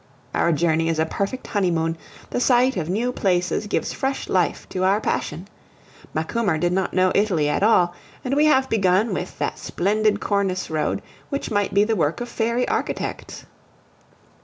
Our journey is a perfect honeymoon; the sight of new places gives fresh life to our passion. Macumer did not know Italy at all, and we have begun with that splendid Cornice road, which might be the work of fairy architects.